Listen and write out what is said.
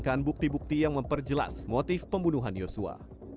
kami mempertimbangkan bukti bukti yang memperjelas motif pembunuhan joshua